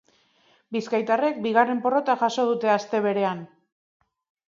Bizkaitarrek bigarren porrota jaso dute aste berean.